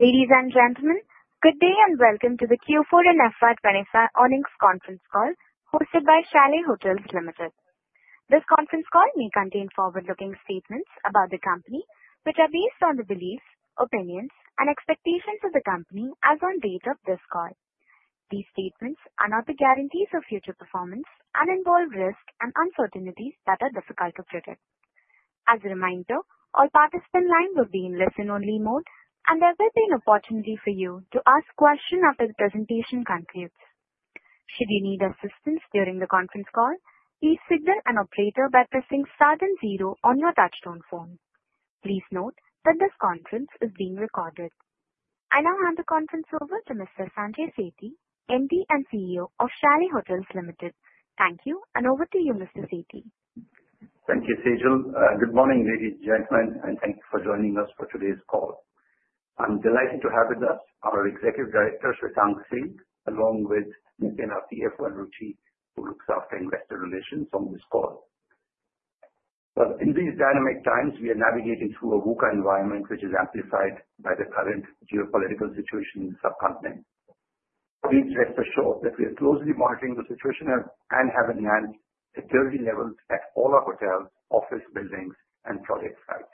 Ladies and gentlemen, good day and welcome to the Q4 and FY 2025 Earnings Conference Call hosted by Chalet Hotels Ltd. This conference call may contain forward-looking statements about the company which are based on the beliefs, opinions, and expectations of the company as of the date of this call. These statements are not the guarantees of future performance and involve risks and uncertainties that are difficult to predict. As a reminder, all participants' lines will be in listen-only mode, and there will be an opportunity for you to ask a question after the presentation concludes. Should you need assistance during the conference call, please signal an operator by pressing 70 on your touchtone phone. Please note that this conference is being recorded. I now hand the conference over to Mr. Sanjay Sethi, MD and CEO of Chalet Hotels Ltd. Thank you, and over to you, Mr. Sethi. Thank you, [Seijal]. Good morning, ladies and gentlemen, and thank you for joining us for today's call. I'm delighted to have with us our Executive Director, Shwetank Singh, along with Nitin Khanna, CFO, and Ruchi, who looks after investor relations on this call. In these dynamic times, we are navigating through a VUCA environment which is amplified by the current geopolitical situation in the subcontinent. Please rest assured that we are closely monitoring the situation and have enhanced security levels at all our hotels, office buildings, and project sites.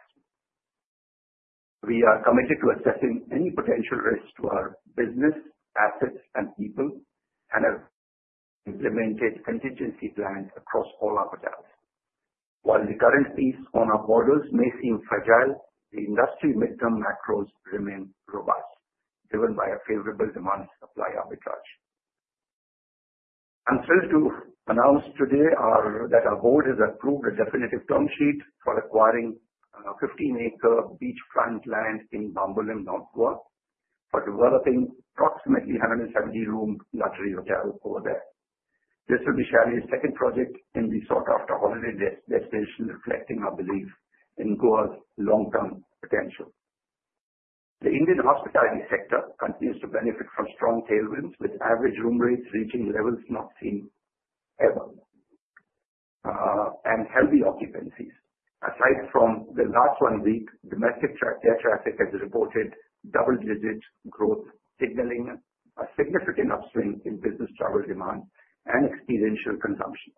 We are committed to assessing any potential risks to our business, assets, and people, and have implemented contingency plans across all our hotels. While the current peace on our borders may seem fragile, the industry midterm macros remain robust, driven by a favorable demand-supply arbitrage. I'm thrilled to announce today that our board has approved a definitive term sheet for acquiring a 15-acre beachfront land in Bambolim, North Goa, for developing an approximately 170-room luxury hotel over there. This will be Chalet's second project in the sought-after holiday destination, reflecting our belief in Goa's long-term potential. The Indian hospitality sector continues to benefit from strong tailwinds, with average room rates reaching levels not seen ever, and healthy occupancies. Aside from the last one week, domestic air traffic has reported double-digit growth, signaling a significant upswing in business travel demand and experiential consumption.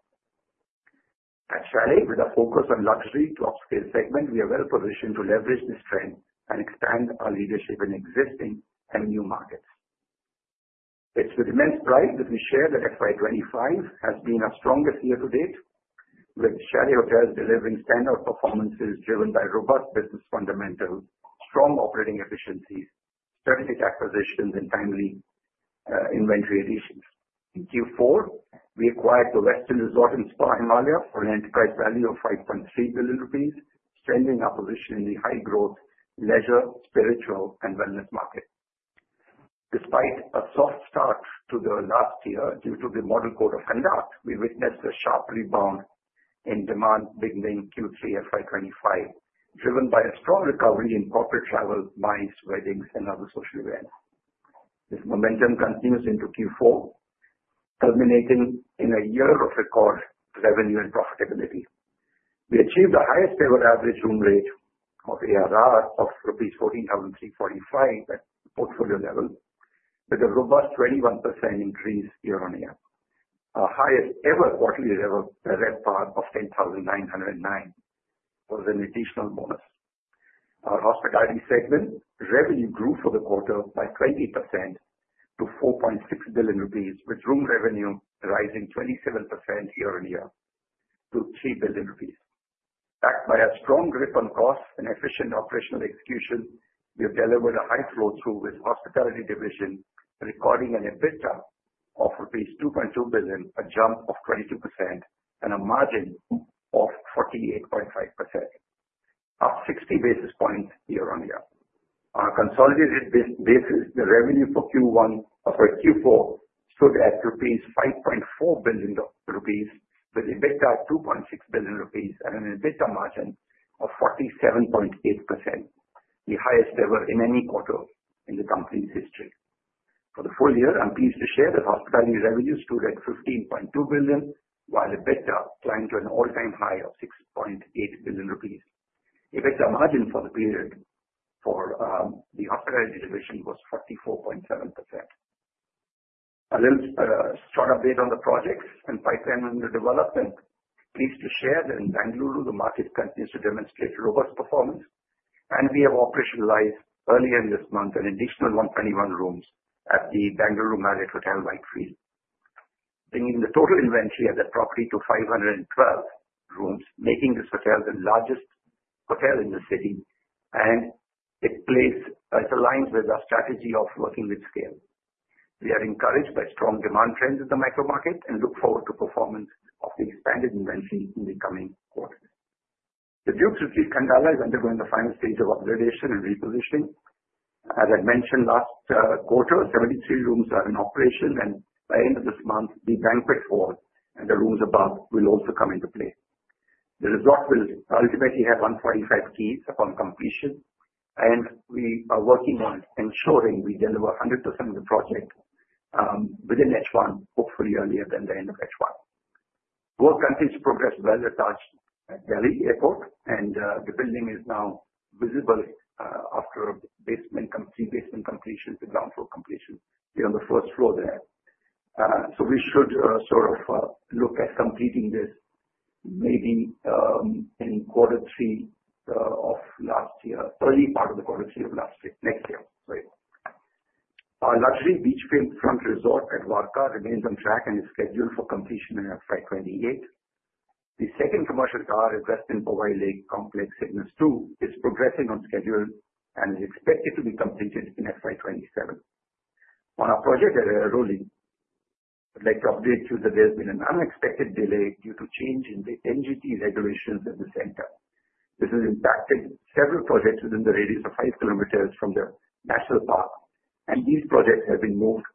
At Chalet, with a focus on luxury to upscale segment, we are well-positioned to leverage this trend and expand our leadership in existing and new markets. It's with immense pride that we share that FY 2025 has been our strongest year to date, with Chalet Hotels delivering standout performances driven by robust business fundamentals, strong operating efficiencies, strategic acquisitions, and timely inventory additions. In Q4, we acquired The Westin Resort & Spa, Himalayas for 5.3 billion rupees, strengthening our position in the high-growth leisure, spiritual, and wellness market. Despite a soft start to the last year due to the model code of conduct, we witnessed a sharp rebound in demand beginning Q3 FY 2025, driven by a strong recovery in corporate travel, MICE, weddings, and other social events. This momentum continues into Q4, culminating in a year of record revenue and profitability. We achieved the highest-ever average room rate or ARR of rupees 14,345 at portfolio level, with a robust 21% increase year-on-year. Our highest-ever quarterly RevPAR of 10,909 was an additional bonus. Our hospitality segment revenue grew for the quarter by 20% to 4.6 billion rupees, with room revenue rising 27% year-on-year to 3 billion rupees. Backed by a strong grip on costs and efficient operational execution, we have delivered a high flow-through with hospitality division, recording an EBITDA of rupees 2.2 billion, a jump of 22%, and a margin of 48.5%, up 60 basis points year-on-year. On a consolidated basis, the revenue for Q1 for Q4 stood at 5.4 billion rupees, with EBITDA of 2.6 billion rupees and an EBITDA margin of 47.8%, the highest ever in any quarter in the company's history. For the full year, I'm pleased to share that hospitality revenue stood at 15.2 billion, while EBITDA climbed to an all-time high of 6.8 billion rupees. EBITDA margin for the period for the hospitality division was 44.7%. A short update on the projects and pipeline under development. Pleased to share that in Bengaluru, the market continues to demonstrate robust performance, and we have operationalized earlier this month an additional 121 rooms at the Bengaluru Marriott Hotel Whitefield, bringing the total inventory at the property to 512 rooms, making this hotel the largest hotel in the city, and it aligns with our strategy of working with scale. We are encouraged by strong demand trends in the micro-market and look forward to the performance of the expanded inventory in the coming quarter. The Duke's Retreat Kandala is undergoing the final stage of upgradation and repositioning. As I mentioned, last quarter, 73 rooms are in operation, and by the end of this month, the banquet floor and the rooms above will also come into play. The resort will ultimately have 145 keys upon completion, and we are working on ensuring we deliver 100% of the project within H1, hopefully earlier than the end of H1. Goa continues to progress well. It's our Delhi airport, and the building is now visible after three basement completions and ground floor completions here on the first floor there. We should sort of look at completing this maybe in quarter three of last year, early part of the quarter three of last year, next year. Our luxury beachfront resort at Varka remains on track and is scheduled for completion in FY 2028. The second commercial car, the Westin Powai Lake Complex Cignus 2, is progressing on schedule and is expected to be completed in FY 2027. On our project area, I'd like to update you that there's been an unexpected delay due to changes in the NGT regulations in the center. This has impacted several projects within the radius of 5 km from the national park, and these projects have been moved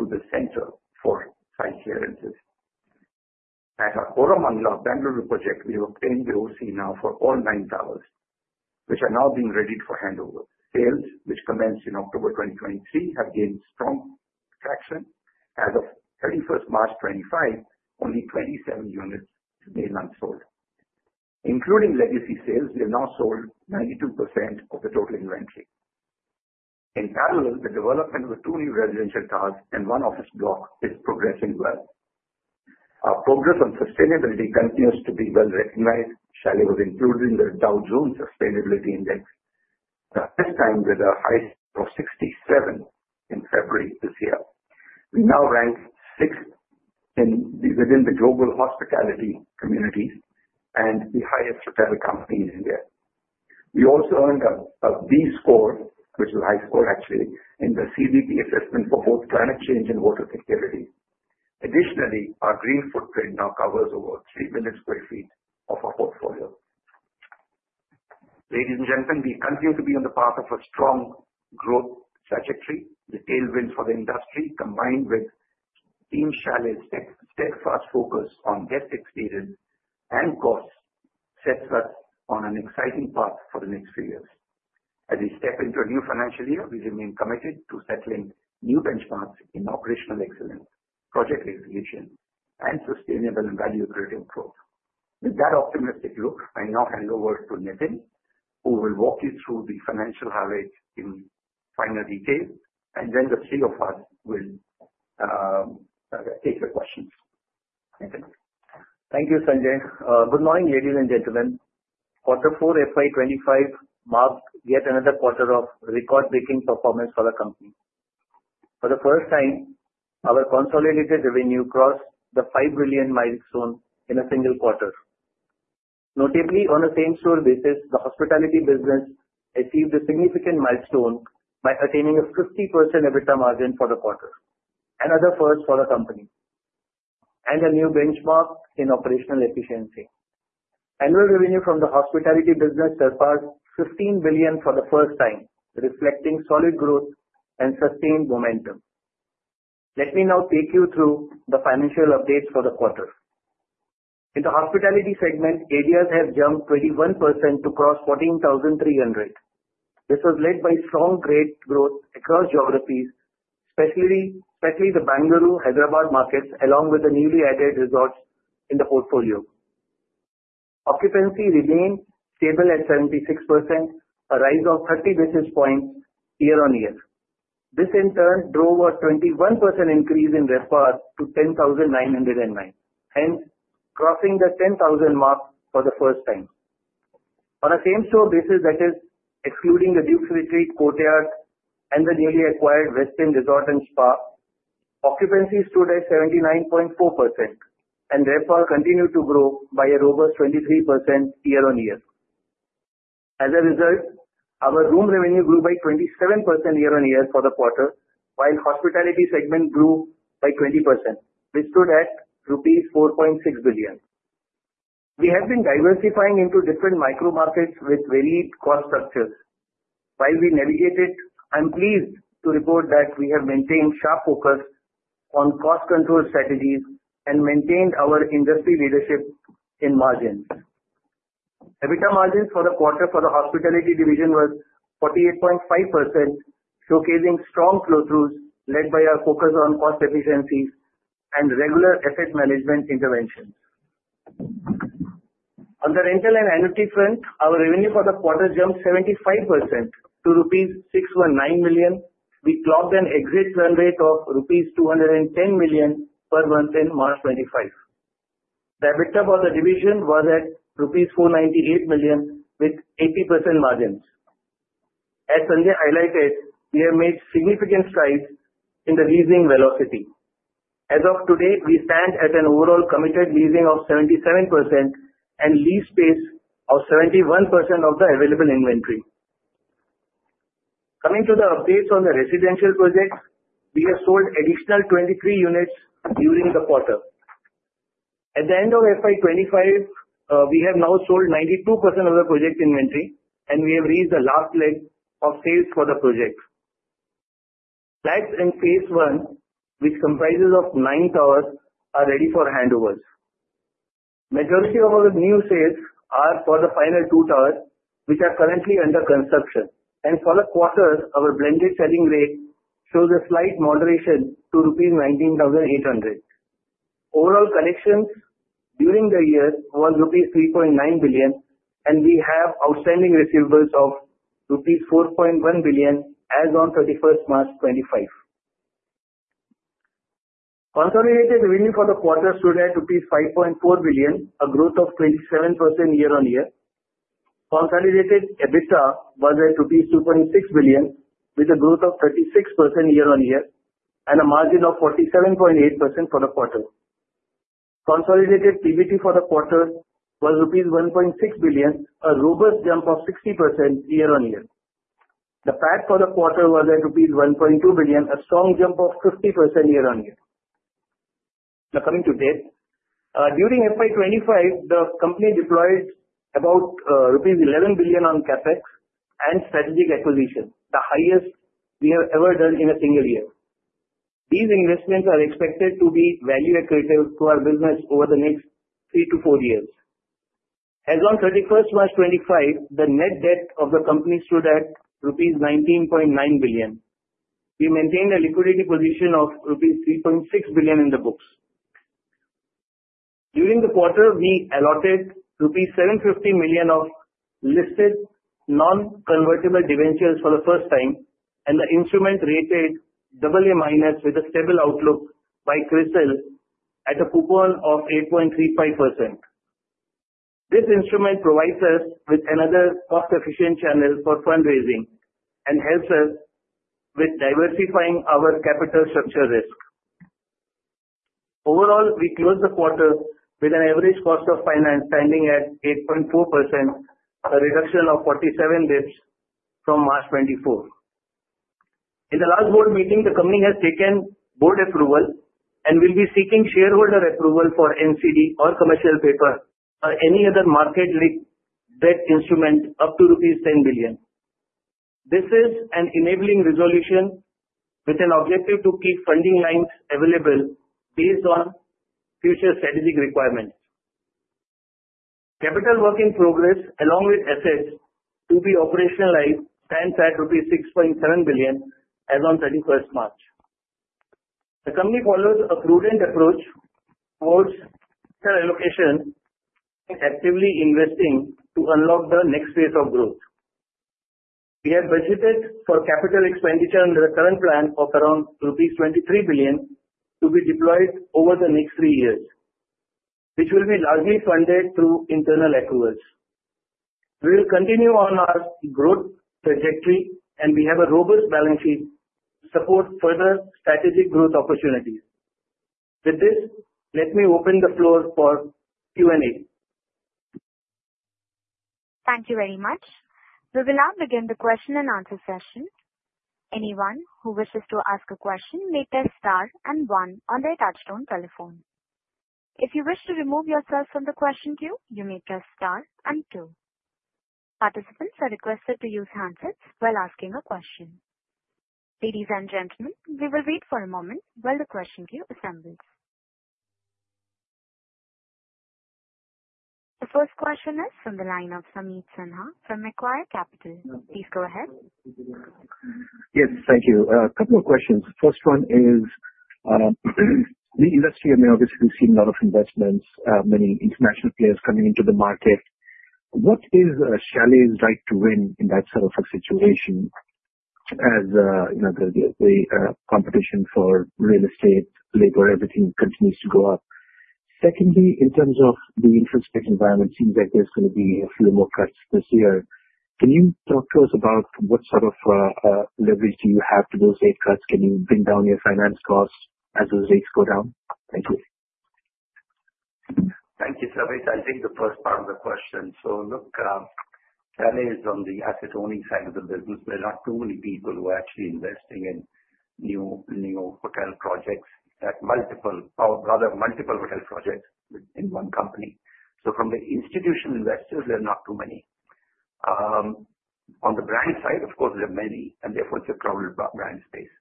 to the center for site clearances. At our Koramangala, Bengaluru project, we have obtained the OC now for all nine towers, which are now being readied for handover. Sales, which commenced in October 2023, have gained strong traction. As of 31st March 2025, only 27 units remain unsold. Including legacy sales, we have now sold 92% of the total inventory. In parallel, the development of two new residential towers and one office block is progressing well. Our progress on sustainability continues to be well-recognized. Chalet was included in the Dow Jones Sustainability Index, this time with a high score of 67 in February this year. We now rank sixth within the global hospitality communities and the highest hotel company in India. We also earned a B score, which is a high score actually, in the CBP assessment for both climate change and water security. Additionally, our green footprint now covers over 3 million sq ft of our portfolio. Ladies and gentlemen, we continue to be on the path of a strong growth trajectory. The tailwinds for the industry, combined with Team Chalet's steadfast focus on depth, experience, and costs, set us on an exciting path for the next few years. As we step into a new financial year, we remain committed to setting new benchmarks in operational excellence, project execution, and sustainable and value-according growth. With that optimistic look, I now hand over to Nitin, who will walk you through the financial highlights in finer detail, and then the three of us will take your questions. Nitin. Thank you, Sanjay. Good morning, ladies and gentlemen. Quarter four FY 2025 marked yet another quarter of record-breaking performance for the company. For the first time, our consolidated revenue crossed the 5 billion milestone in a single quarter. Notably, on a same-store basis, the hospitality business achieved a significant milestone by attaining a 50% EBITDA margin for the quarter, another first for the company, and a new benchmark in operational efficiency. Annual revenue from the hospitality business surpassed 15 billion for the first time, reflecting solid growth and sustained momentum. Let me now take you through the financial updates for the quarter. In the hospitality segment, ARR has jumped 21% to cross 14,300. This was led by strong growth across geographies, especially the Bengaluru and Hyderabad markets, along with the newly added resorts in the portfolio. Occupancy remained stable at 76%, a rise of 30 basis points year-on-year. This, in turn, drove a 21% increase in RevPAR to 10,909, hence crossing the 10,000 mark for the first time. On a same-store basis, that is, excluding the Duke's Retreat Kandala and the newly acquired The Westin Resort & Spa Himalayas, occupancy stood at 79.4%, and RevPAR continued to grow by a robust 23% year-on-year. As a result, our room revenue grew by 27% year-on-year for the quarter, while the hospitality segment grew by 20%, which stood at rupees 4.6 billion. We have been diversifying into different micro-markets with varied cost structures. While we navigated, I'm pleased to report that we have maintained sharp focus on cost control strategies and maintained our industry leadership in margins. EBITDA margins for the quarter for the hospitality division were 48.5%, showcasing strong flow-throughs led by our focus on cost efficiencies and regular asset management interventions. On the rental and annuity front, our revenue for the quarter jumped 75% to rupees 619 million. We clocked an exit run rate of rupees 210 million per month in March 2025. The EBITDA for the division was at rupees 498 million, with 80% margins. As Sanjay highlighted, we have made significant strides in the leasing velocity. As of today, we stand at an overall committed leasing of 77% and leased space of 71% of the available inventory. Coming to the updates on the residential projects, we have sold an additional 23 units during the quarter. At the end of FY 2025, we have now sold 92% of the project inventory, and we have reached the last leg of sales for the project. Flats in phase one, which comprises nine towers, are ready for handovers. The majority of our new sales are for the final two towers, which are currently under construction. For the quarter, our blended selling rate shows a slight moderation to rupees 19,800. Overall collections during the year were rupees 3.9 billion, and we have outstanding receivables of rupees 4.1 billion as of 31st March 2025. Consolidated revenue for the quarter stood at INR 5.4 billion, a growth of 27% year-on-year. Consolidated EBITDA was at INR 2.6 billion, with a growth of 36% year-on-year and a margin of 47.8% for the quarter. Consolidated PBT for the quarter was rupees 1.6 billion, a robust jump of 60% year-on-year. The PAT for the quarter was at rupees 1.2 billion, a strong jump of 50% year-on-year. Now, coming to debt, during FY 2025, the company deployed about rupees 11 billion on CapEx and strategic acquisitions, the highest we have ever done in a single year. These investments are expected to be value-accretive to our business over the next three to four years. As of 31st March 2025, the net debt of the company stood at rupees 19.9 billion. We maintained a liquidity position of rupees 3.6 billion in the books. During the quarter, we allotted rupees 750 million of listed non-convertible debentures for the first time, and the instrument rated AA- with a stable outlook by CRISIL at a coupon of 8.35%. This instrument provides us with another cost-efficient channel for fundraising and helps us with diversifying our capital structure risk. Overall, we closed the quarter with an average cost of finance standing at 8.4%, a reduction of 47 basis points from March 2024. In the last board meeting, the company has taken board approval and will be seeking shareholder approval for NCD or commercial paper or any other market-linked debt instrument up to rupees 10 billion. This is an enabling resolution with an objective to keep funding lines available based on future strategic requirements. Capital work in progress, along with assets to be operationalized, stands at rupees 6.7 billion as of 31st March. The company follows a prudent approach towards allocation and actively investing to unlock the next phase of growth. We have budgeted for capital expenditure under the current plan of around rupees 23 billion to be deployed over the next three years, which will be largely funded through internal accruals. We will continue on our growth trajectory, and we have a robust balance sheet to support further strategic growth opportunities. With this, let me open the floor for Q&A. Thank you very much. We will now begin the question and answer session. Anyone who wishes to ask a question may press star and one on their touchstone telephone. If you wish to remove yourself from the question queue, you may press star and two. Participants are requested to use handsets while asking a question. Ladies and gentlemen, we will wait for a moment while the question queue assembles. The first question is from the line of [Sameet Sanha] from Acquire Capital. Please go ahead. Yes, thank you. A couple of questions. The first one is, the industry has obviously seen a lot of investments, many international players coming into the market. What is Chalet's right to win in that sort of a situation as the competition for real estate, labor, everything continues to go up? Secondly, in terms of the infrastructure environment, it seems like there's going to be a few more cuts this year. Can you talk to us about what sort of leverage do you have to those rate cuts? Can you bring down your finance costs as those rates go down? Thank you. Thank you, [Sameet]. I'll take the first part of the question. Look, [Sameet] is on the asset-owning side of the business. There are not too many people who are actually investing in new hotel projects at multiple hotel projects in one company. From the institutional investors, there are not too many. On the brand side, of course, there are many, and therefore it is a crowded brand space.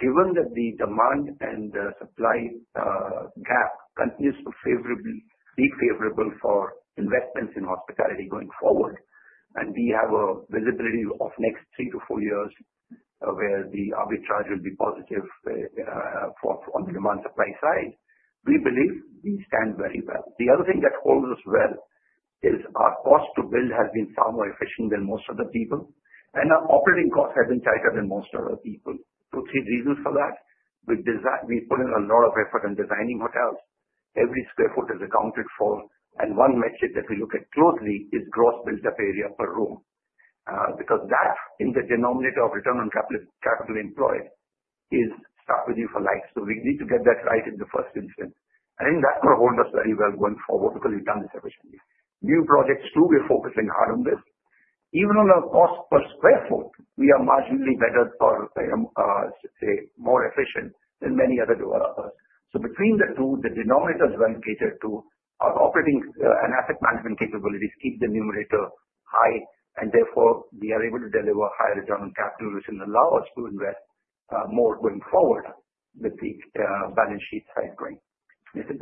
Given that the demand and supply gap continues to be favorable for investments in hospitality going forward, and we have a visibility of the next three to four years where the arbitrage will be positive on the demand-supply side, we believe we stand very well. The other thing that holds us well is our cost-to-build has been far more efficient than most other people, and our operating costs have been tighter than most other people. Two or three reasons for that. We put in a lot of effort in designing hotels. Every square foot is accounted for, and one metric that we look at closely is gross built-up area per room because that, in the denominator of return on capital employed, is stuck with you for life. We need to get that right in the first instance. I think that will hold us very well going forward because we've done this efficiently. New projects too, we're focusing hard on this. Even on our cost per square foot, we are marginally better or, I should say, more efficient than many other developers. Between the two, the denominator is well catered to, our operating and asset management capabilities keep the numerator high, and therefore we are able to deliver high return on capital which will allow us to invest more going forward with the balance sheet side going. Nitin?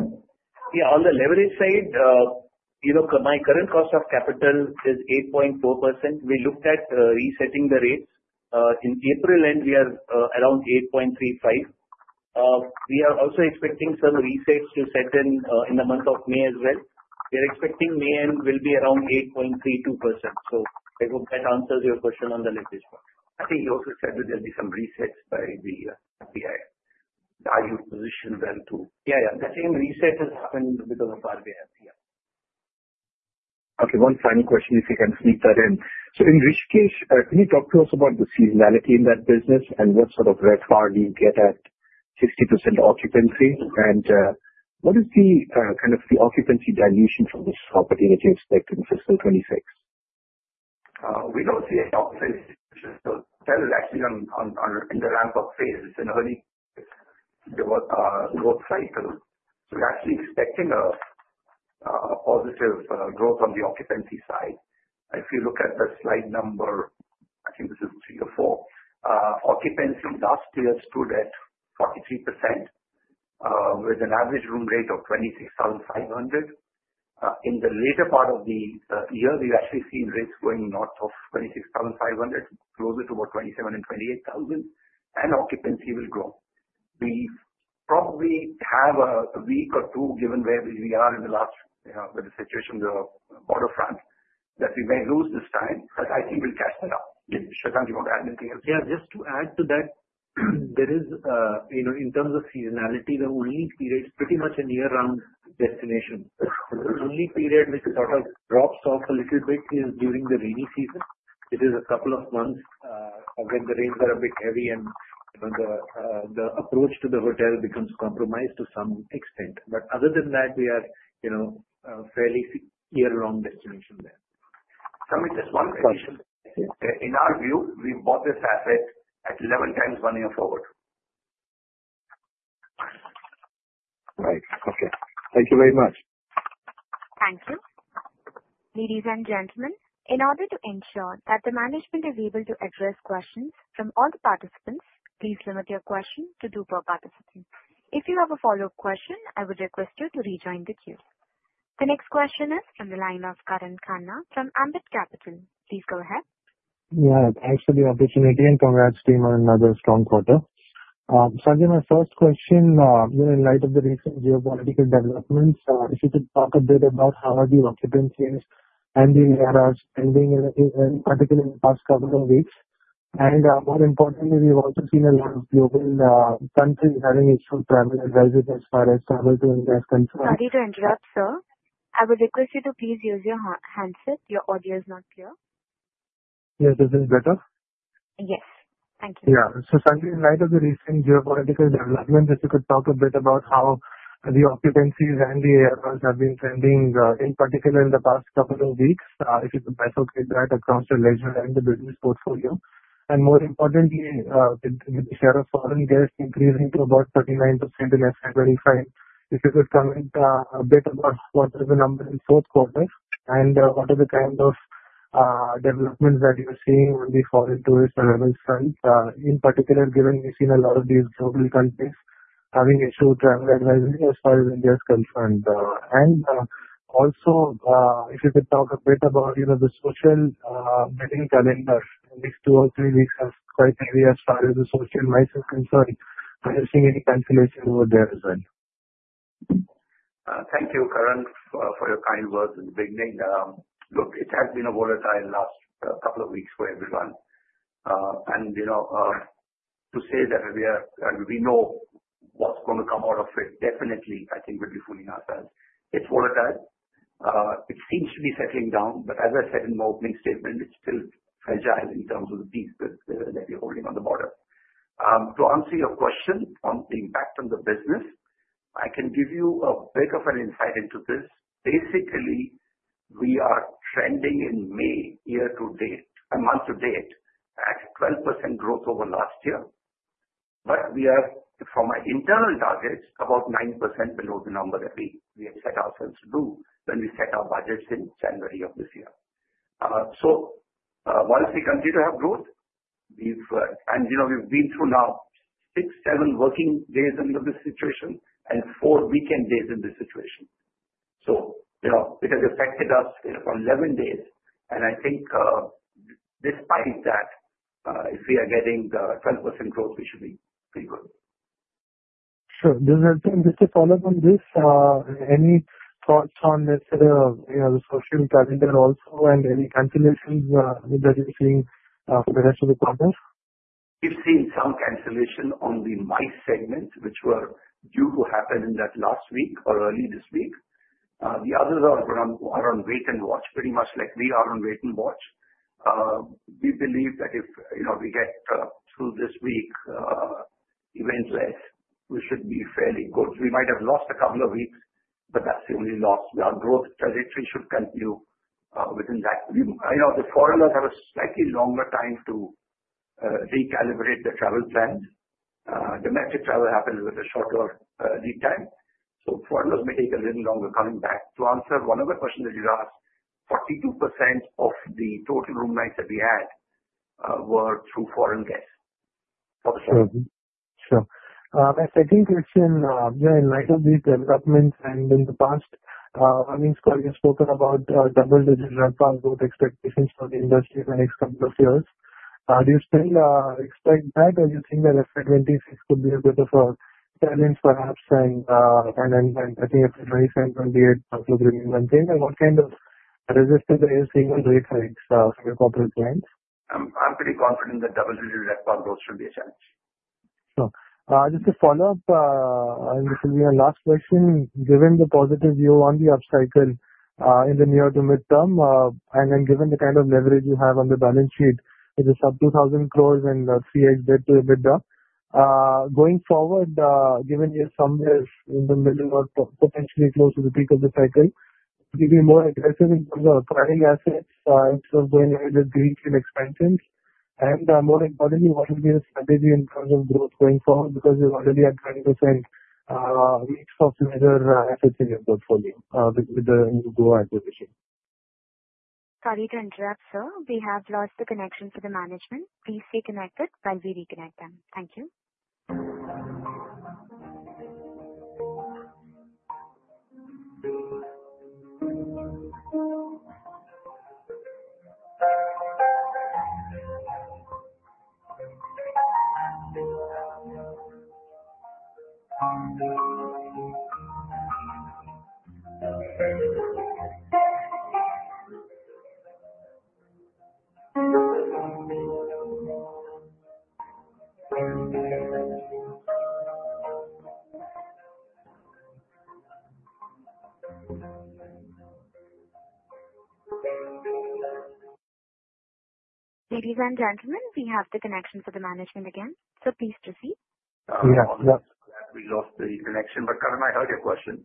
Yeah, on the leverage side, my current cost of capital is 8.4%. We looked at resetting the rates. In April end, we are around 8.35%. We are also expecting some resets to set in in the month of May as well. We are expecting May end will be around 8.32%. I hope that answers your question on the leverage part. I think you also said that there'll be some resets by the RBI. Are you positioned well to? Yeah, yeah. The same reset has happened because of RBI, yeah. Okay, one final question if you can sneak that in. In which case, can you talk to us about the seasonality in that business and what sort of RevPAR you get at 60% occupancy? What is the kind of occupancy dilution for this property that you expect in fiscal 2026? We do not see any occupancy dilution in the ramp-up phase. It is an early growth cycle. So we are actually expecting a positive growth on the occupancy side. If you look at the slide number, I think this is three or four, occupancy last year stood at 43% with an average room rate of 26,500. In the later part of the year, we have actually seen rates going north of 26,500, closer to about 27,000 and 28,000, and occupancy will grow. We probably have a week or two, given where we are in the last situation with the border front, that we may lose this time, but I think we will catch that up. Shwetank, you want to add anything else? Yeah, just to add to that, there is, in terms of seasonality, the only period is pretty much a year-round destination. The only period which sort of drops off a little bit is during the rainy season. It is a couple of months when the rains are a bit heavy and the approach to the hotel becomes compromised to some extent. Other than that, we are a fairly year-round destination there. Sameet, just one question. In our view, we bought this asset at 11 times one year forward. Right. Okay. Thank you very much. Thank you. Ladies and gentlemen, in order to ensure that the management is able to address questions from all the participants, please limit your question to two per participant. If you have a follow-up question, I would request you to rejoin the queue. The next question is from the line of Karan Khanna from Ambit Capital. Please go ahead. Yeah, thanks for the opportunity and congrats to you on another strong quarter. My first question, in light of the recent geopolitical developments, if you could talk a bit about how are the occupancies and the ARR trending, particularly in the past couple of weeks? More importantly, we've also seen a lot of global countries having issues with private advisories as far as travel to invest control. Sorry to interrupt, sir. I would request you to please use your handset. Your audio is not clear. Yes, is it better? Yes. Thank you. Yeah. Sanjay, in light of the recent geopolitical developments, if you could talk a bit about how the occupancies and the ARR have been trending, in particular in the past couple of weeks, if you could bifurcate that across the leisure and the business portfolio. More importantly, with the share of foreign guests increasing to about 39% in FY 2025, if you could comment a bit about what were the numbers in the fourth quarter and what are the kind of developments that you're seeing on the foreign tourist arrival front, in particular, given we've seen a lot of these global countries having issues with travel advisories as far as India is concerned. Also, if you could talk a bit about the social booking calendar, the next two or three weeks are quite heavy as far as the social MICE is concerned. Are you seeing any cancellations over there as well? Thank you, Karan, for your kind words in the beginning. Look, it has been a volatile last couple of weeks for everyone. To say that we know what's going to come out of it, definitely, I think we'll be fooling ourselves. It's volatile. It seems to be settling down, but as I said in my opening statement, it's still fragile in terms of the peace that we're holding on the border. To answer your question on the impact on the business, I can give you a bit of an insight into this. Basically, we are trending in May year to date, a month to date, at 12% growth over last year. We are, from our internal targets, about 9% below the number that we had set ourselves to do when we set our budgets in January of this year. While we continue to have growth, and we've been through now six, seven working days under this situation and four weekend days in this situation. It has affected us for 11 days. I think despite that, if we are getting 12% growth, we should be pretty good. Sure. Is there anything, just to follow up on this? Any thoughts on the sort of the social calendar also and any cancellations that you're seeing for the rest of the quarter? We've seen some cancellation on the MICE segment, which were due to happen in that last week or early this week. The others are on wait and watch, pretty much like we are on wait and watch. We believe that if we get through this week, eventless, we should be fairly good. We might have lost a couple of weeks, but that's the only loss. Our growth trajectory should continue within that. The foreigners have a slightly longer time to recalibrate their travel plans. Domestic travel happens with a shorter lead time. So foreigners may take a little longer coming back. To answer one other question that you asked, 42% of the total room nights that we had were through foreign guests for the summer. Sure. I think in light of these developments and in the past, I mean, you've spoken about double-digit ramp-up growth expectations for the industry in the next couple of years. Do you still expect that, or do you think that FY 2026 could be a bit of a challenge perhaps? I think FY 2027, FY 2028, possibly will be the same thing. What kind of resistance are you seeing on rate hikes from your corporate clients? I'm pretty confident that double-digit ramp-up growth should be a challenge. Sure. Just to follow up, and this will be my last question, given the positive view on the upcycle in the near to midterm, and then given the kind of leverage you have on the balance sheet with the sub-INR 2,000 crore and the [three-egg debt to EBITDA], going forward, given you're somewhere in the middle or potentially close to the peak of the cycle, would you be more aggressive in terms of acquiring assets instead of going ahead with greenfield expansions? More importantly, what would be the strategy in terms of growth going forward because you're already at 20% mix of major assets in your portfolio with the new Goa acquisition? Sorry to interrupt, sir. We have lost the connection to the management. Please stay connected while we reconnect them. Thank you. Ladies and gentlemen, we have the connection for the management again. Please proceed. Yes. We lost the connection, but Karan, I heard your question.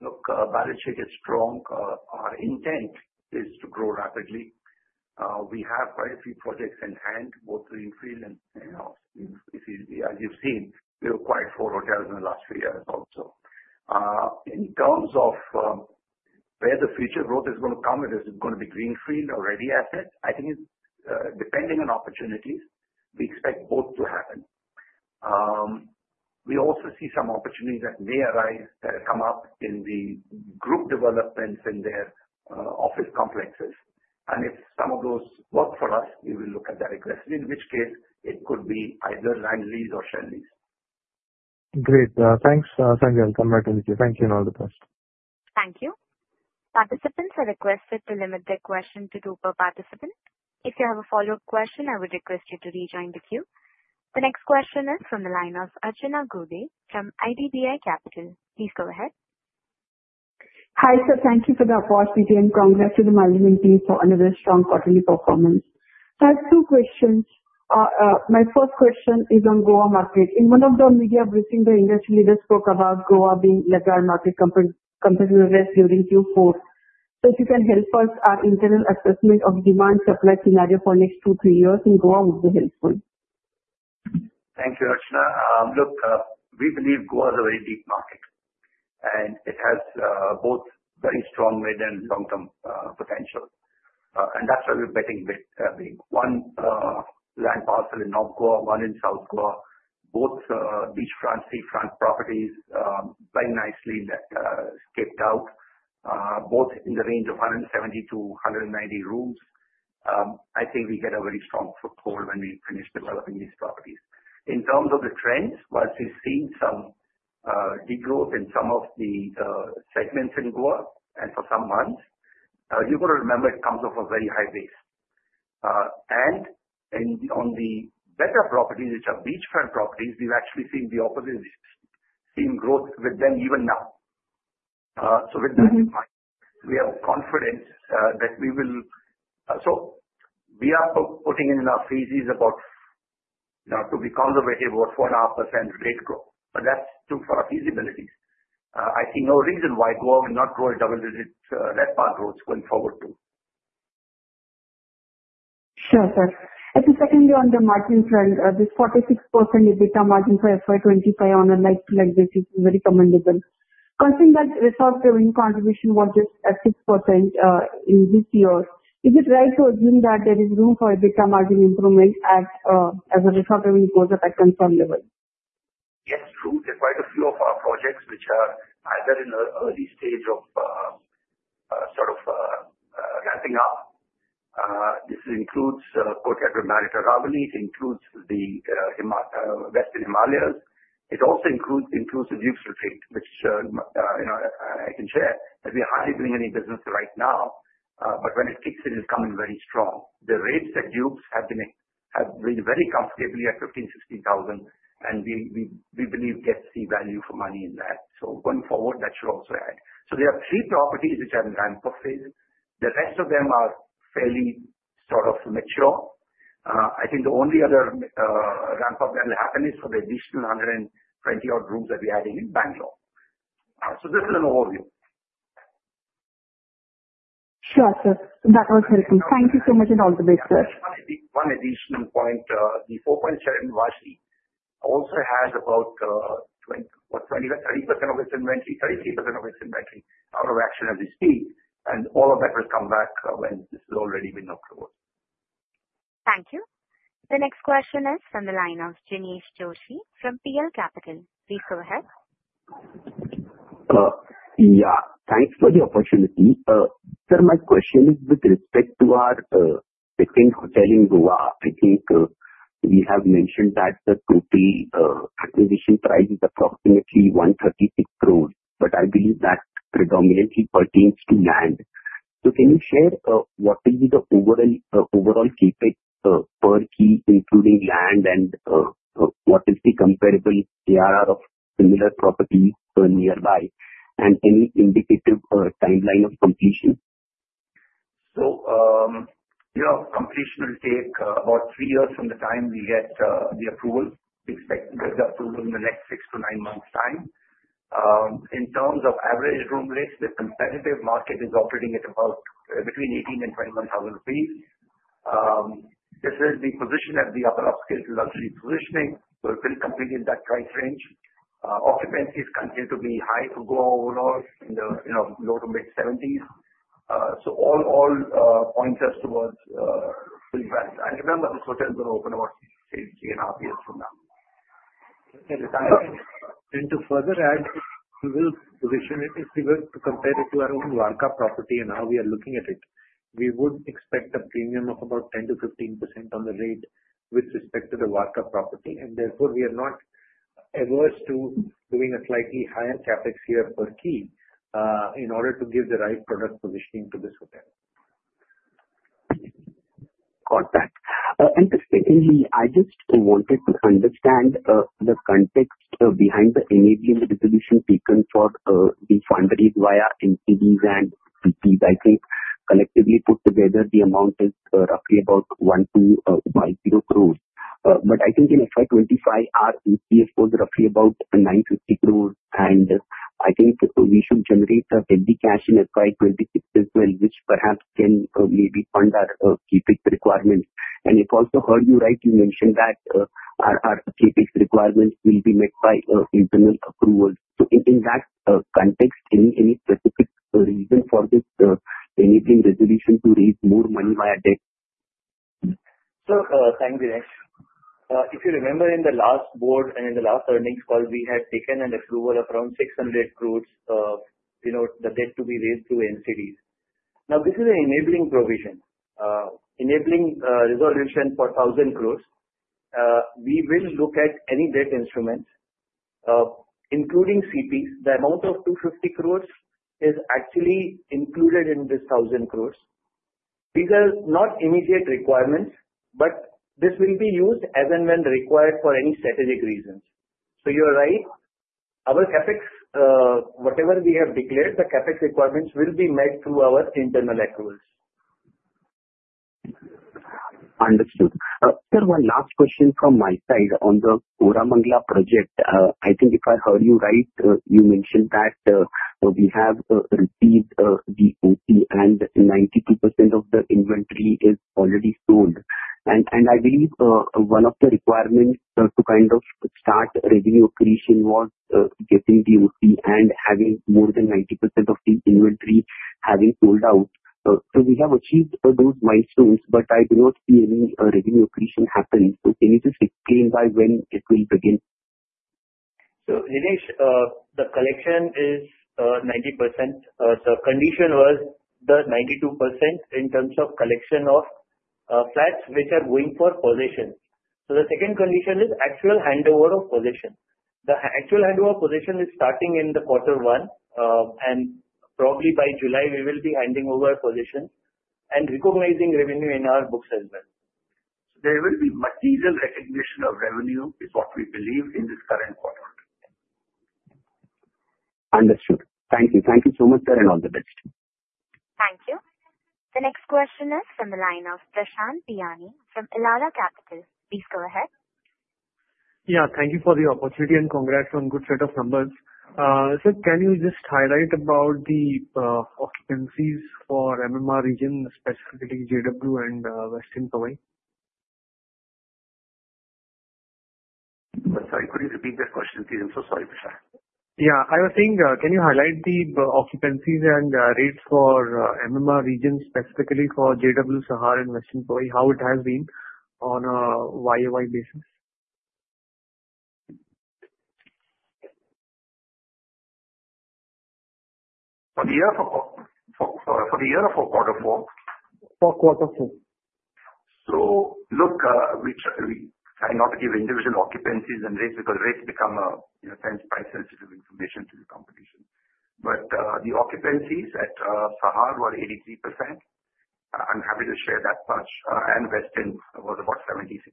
Look, balance sheet is strong. Our intent is to grow rapidly. We have quite a few projects in hand, both greenfield and, as you've seen, we've acquired four hotels in the last few years also. In terms of where the future growth is going to come, whether it's going to be greenfield or ready asset, I think it's depending on opportunities. We expect both to happen. We also see some opportunities that may arise that have come up in the group developments in their office complexes. If some of those work for us, we will look at that aggressively, in which case it could be either land lease or shell lease. Great. Thanks, Sanjay. I'll come back to the queue. Thank you and all the best. Thank you. Participants are requested to limit their question to two per participant. If you have a follow-up question, I would request you to rejoin the queue. The next question is from the line of Archana Gude from IDBI Capital. Please go ahead. Hi, sir. Thank you for the apology. Congrats to the management team for another strong quarterly performance. I have two questions. My first question is on Goa market. In one of the media briefings, the industry leaders spoke about Goa being a laggard market compared to the rest during Q4. If you can help us, our internal assessment of demand-supply scenario for the next two, three years in Goa would be helpful. Thank you, Archana. Look, we believe Goa is a very deep market, and it has both very strong mid and long-term potential. That is where we are betting big. One land parcel in North Goa, one in South Goa, both beachfront, seafront properties, very nicely landscaped out, both in the range of 170-190 rooms. I think we get a very strong foothold when we finish developing these properties. In terms of the trends, while we have seen some degrowth in some of the segments in Goa and for some months, you have got to remember it comes off a very high base. On the better properties, which are beachfront properties, we have actually seen the opposite; we have seen growth with them even now. With that in mind, we have confidence that we will—so we are putting in enough phases about, to be conservative, about 4.5% rate growth. That's true for our feasibilities. I see no reason why Goa will not grow at double-digit ramp-up growth going forward too. Sure, sir. Secondly, on the margin trend, this 46% EBITDA margin for FY 2025 on a light-to-light basis is very commendable. Considering that resource revenue contribution was just at 6% in this year, is it right to assume that there is room for EBITDA margin improvement as the resource revenue goes up at concern level? Yes, true. There are quite a few of our projects which are either in an early stage of sort of ramping up. This includes Port Edward Marriott [and Ravelry]. It includes the Westin Himalayas. It also includes the Duke's Retreat, which I can share that we are hardly doing any business right now, but when it kicks in, it's coming very strong. The rates at Duke's have been very comfortably at 15,000-16,000, and we believe get see value for money in that. Going forward, that should also add. There are three properties which are in ramp-up phase. The rest of them are fairly sort of mature. I think the only other ramp-up that will happen is for the additional 120-odd rooms that we are adding in Bengaluru. This is an overview. Sure, sir. That was helpful. Thank you so much and all the best, sir. One additional point. The 4.7 Vashti also has about 20% of its inventory, 33% of its inventory out of action as we speak. All of that will come back when this has already been approved. Thank you. The next question is from the line of Jinesh Joshi from PL Capital. Please go ahead. Yeah. Thanks for the opportunity. Sir, my question is with respect to our second hotel in Goa. I think we have mentioned that the total acquisition price is approximately 136 crore, but I believe that predominantly pertains to land. Can you share what is the overall key per key, including land, and what is the comparable ARR of similar properties nearby and any indicative timeline of completion? Completion will take about three years from the time we get the approval. We expect to get the approval in the next six to nine months' time. In terms of average room rates, the competitive market is operating at about between 18,000 and 21,000 rupees. This is the position at the upper upscale luxury positioning. It will complete in that price range. Occupancies continue to be high for Goa overall in the low to mid-70%. All points us towards good value. Remember, these hotels will open about three and a half years from now. To further add, we will position it if we were to compare it to our own Varka property and how we are looking at it. We would expect a premium of about 10%-15% on the rate with respect to the Varka property. Therefore, we are not averse to doing a slightly higher CapEx here per key in order to give the right product positioning to this hotel. Interestingly, I just wanted to understand the context behind enabling the distribution beacon for the foundries via NTDs and CTs. I think collectively put together, the amount is roughly about 12.50 billion. I think in FY 2025, our EPF was roughly about 9.50 billion. I think we should generate heavy cash in FY 2026 as well, which perhaps can maybe fund our key pick requirements. If I also heard you right, you mentioned that our key pick requirements will be met by internal approvals. In that context, any specific reason for this enabling resolution to raise more money via debt? Sir, thank you, Jinesh. If you remember, in the last board and in the last earnings call, we had taken an approval of around 600 crore of the debt to be raised through NCDs. Now, this is an enabling provision. Enabling resolution for 1,000 crore. We will look at any debt instruments, including NCDs. The amount of 250 crore is actually included in this 1,000 crore. These are not immediate requirements, but this will be used as and when required for any strategic reasons. So you're right. Our CapEx, whatever we have declared, the CapEx requirements will be met through our internal accruals. Understood. Sir, one last question from my side on the Koramangala project. I think if I heard you right, you mentioned that we have received the OC, and 92% of the inventory is already sold. I believe one of the requirements to kind of start revenue accretion was getting the OC and having more than 90% of the inventory having sold out. We have achieved those milestones, but I do not see any revenue accretion happen. Can you just explain by when it will begin? Jinesh, the collection is 90%. The condition was the 92% in terms of collection of flats which are going for possession. The second condition is actual handover of possession. The actual handover of possession is starting in quarter one. Probably by July, we will be handing over possession and recognizing revenue in our books as well. There will be material recognition of revenue is what we believe in this current quarter. Understood. Thank you. Thank you so much, sir, and all the best. Thank you. The next question is from the line of Prashant Biyani from Elara Capital. Please go ahead. Yeah. Thank you for the opportunity and congrats on a good set of numbers. Sir, can you just highlight about the occupancies for MMR region, specifically JW and Westin Powai? I'm sorry. Could you repeat that question, please? I'm so sorry, Prashant. Yeah. I was saying, can you highlight the occupancies and rates for MMR region, specifically for JW, Sahar, and Westin Powai, how it has been on a YoY basis? For the year or for quarter four? For quarter four. Look, we try not to give individual occupancies and rates because rates become, in a sense, price-sensitive information to the competition. The occupancies at Sahar were 83%. I'm happy to share that much. And Westin was about 76%.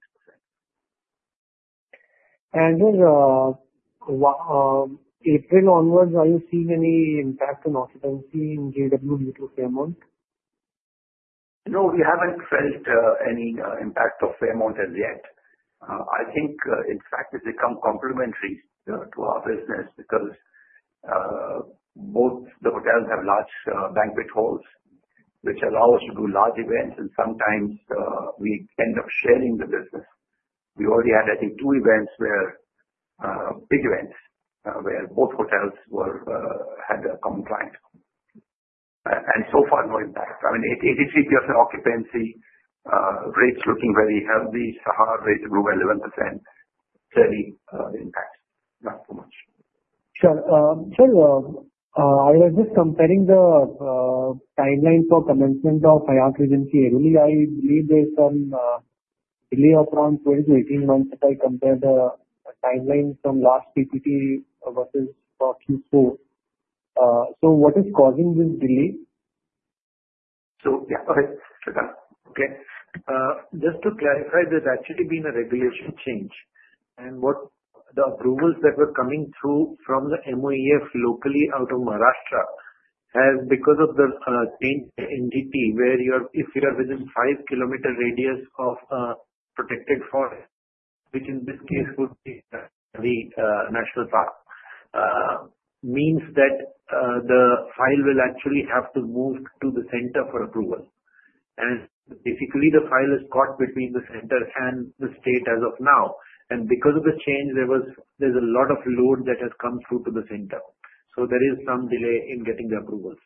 April onwards, are you seeing any impact on occupancy in JW due to Fairmont? No, we haven't felt any impact of Fairmount as yet. I think, in fact, it's become complementary to our business because both the hotels have large banquet halls, which allow us to do large events, and sometimes we end up sharing the business. We already had, I think, two events where big events where both hotels had a common client. And so far, no impact. I mean, 83% occupancy, rates looking very healthy. Sahar rate grew 11%. Slightly impact. Not too much. Sure. Sir, I was just comparing the timeline for commencement of Hyatt Regency earlier. I believe there's some delay of around 12 months-18 months if I compare the timeline from last PPT versus Q4. What is causing this delay? Yeah, go ahead. Okay. Just to clarify, there's actually been a regulation change. The approvals that were coming through from the MOEF locally out of Maharashtra have, because of the NGT, where if you are within a 5-km radius of a protected forest, which in this case would be the national park, it means that the file will actually have to move to the center for approval. Basically, the file is caught between the center and the state as of now. Because of the change, there's a lot of load that has come through to the center. There is some delay in getting the approvals.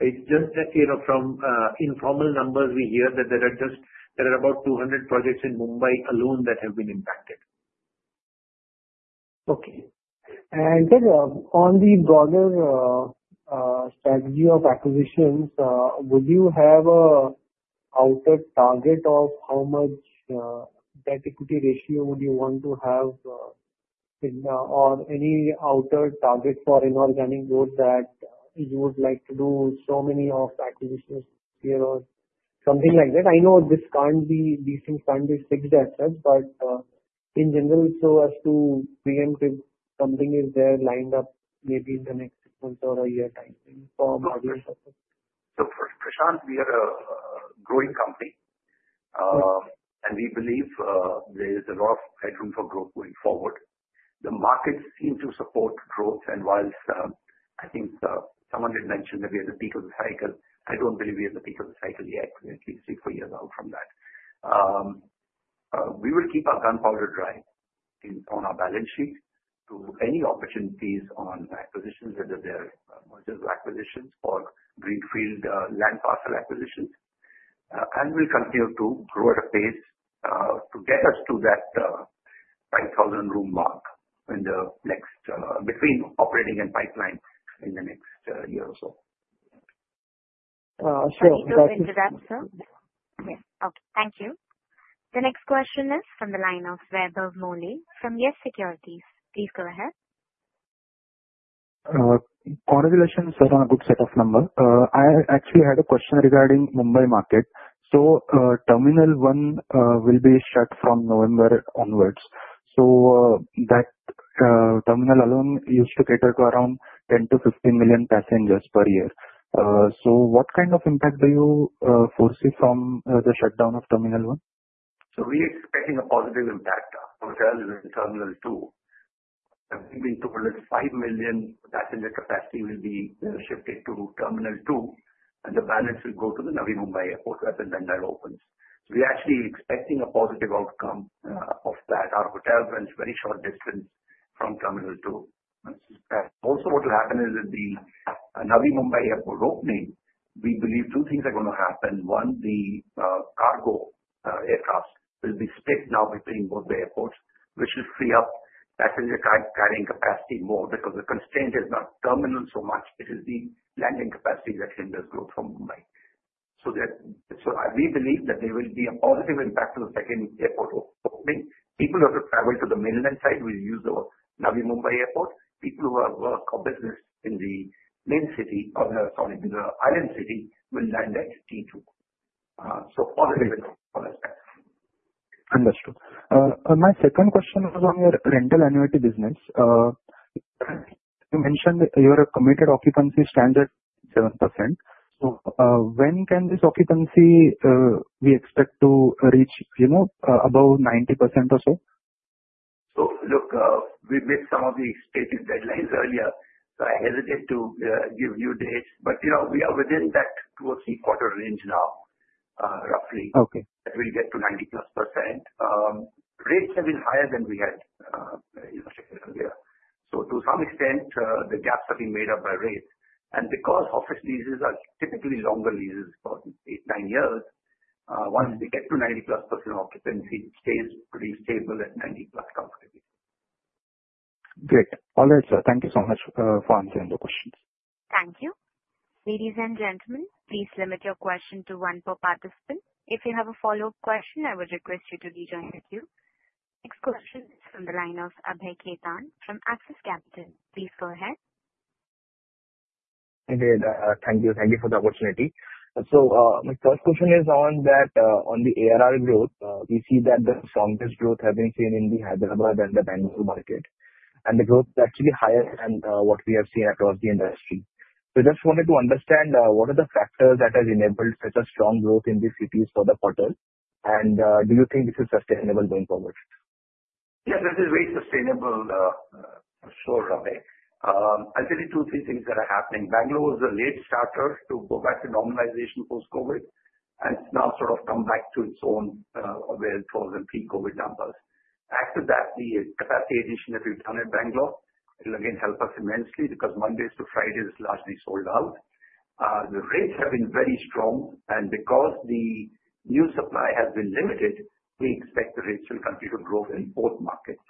It's just that from informal numbers, we hear that there are about 200 projects in Mumbai alone that have been impacted. Okay. Sir, on the broader strategy of acquisitions, would you have an outer target of how much debt-equity ratio you would want to have or any outer target for inorganic growth that you would like to do, so many of acquisitions here or something like that? I know currently these things can't be fixed as such, but in general, as to be preemptive, something is there lined up maybe in the next month or a year time frame for a margin purpose. Prashant, we are a growing company, and we believe there is a lot of headroom for growth going forward. The markets seem to support growth. Whilst I think someone had mentioned that we are at the peak of the cycle, I do not believe we are at the peak of the cycle yet, at least three or four years out from that. We will keep our gunpowder dry on our balance sheet to any opportunities on acquisitions, whether they are mergers or acquisitions or greenfield land parcel acquisitions. We will continue to grow at a pace to get us to that 5,000-room mark between operating and pipeline in the next year or so. Sure. Can you go ahead to that, sir? Okay. Thank you. The next question is from the line of [Webber Molly] from Yes Securities. Please go ahead. Congratulations, sir, on a good set of numbers. I actually had a question regarding Mumbai market. Terminal 1 will be shut from November onwards. That terminal alone used to cater to around 10-15 million passengers per year. What kind of impact do you foresee from the shutdown of Terminal 1? We are expecting a positive impact. Hotels in Terminal 2 have been told that 5 million passenger capacity will be shifted to Terminal 2, and the balance will go to the Navi Mumbai Airport as the vendor opens. We are actually expecting a positive outcome of that. Our hotel runs a very short distance from Terminal 2. Also, what will happen is that the Navi Mumbai Airport opening, we believe two things are going to happen. One, the cargo aircraft will be split now between both the airports, which will free up passenger carrying capacity more because the constraint is not terminal so much. It is the landing capacity that hinders growth from Mumbai. We believe that there will be a positive impact on the second airport opening. People who have traveled to the mainland side will use the Navi Mumbai Airport. People who have a business in the main city or, sorry, in the island city will land at T2. So positive on that aspect. Understood. My second question was on your rental and annuity business. You mentioned you are at a committed occupancy standard, 7%. When can this occupancy be expected to reach above 90% or so? Look, we met some of the stated deadlines earlier. I hesitate to give new dates. We are within that two- or three-quarter range now, roughly, that we'll get to 90%+. Rates have been higher than we had shown earlier. To some extent, the gaps have been made up by rates. Because office leases are typically longer leases for eight, nine years, once we get to 90%+ occupancy, it stays pretty stable at 90%+ comfortably. Great. All right, sir. Thank you so much for answering the questions. Thank you. Ladies and gentlemen, please limit your question to one per participant. If you have a follow-up question, I would request you to be joined with you. Next question is from the line of Abhay Khaitan from Axis Capital. Please go ahead. Thank you. Thank you for the opportunity. My first question is on the ARR growth. We see that the strongest growth has been seen in the Hyderabad and the Bengaluru market. The growth is actually higher than what we have seen across the industry. I just wanted to understand what are the factors that have enabled such a strong growth in these cities for the hotel? Do you think this is sustainable going forward? Yes, this is very sustainable, I'm sure, Abhay. I'll tell you two, three things that are happening. Bangalore was a late starter to go back to normalization post-COVID. It's now sort of come back to its own, frozen pre-COVID numbers. After that, the capacity addition that we've done in Bangalore will again help us immensely because Mondays to Fridays is largely sold out. The rates have been very strong. Because the new supply has been limited, we expect the rates will continue to grow in both markets.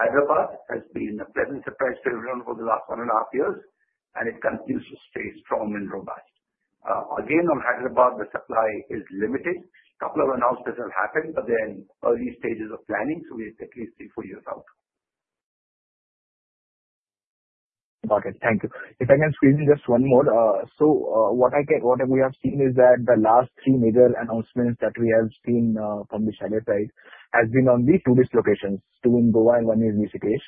Hyderabad has been a pleasant surprise to everyone for the last one and a half years. It continues to stay strong and robust. Again, on Hyderabad, the supply is limited. A couple of announcements have happened, but they're in early stages of planning. We're at least three, four years out. Okay. Thank you. If I can squeeze in just one more. What we have seen is that the last three major announcements that we have seen from the Chalet side have been on the two dislocations, two in Goa and one in Rishikesh.